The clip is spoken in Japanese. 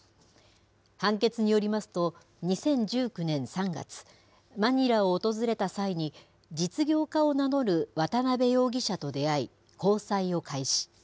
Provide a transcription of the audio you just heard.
判決によりますと、２０１９年３月、マニラを訪れた際に、実業家を名乗る渡邉容疑者と出会い、交際を開始。